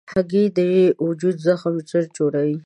هګۍ د وجود زخم ژر جوړوي.